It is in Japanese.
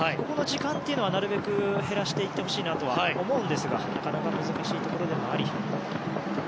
この時間というのはなるべく減らしていってほしいなと思うんですがなかなか難しいところでもあり。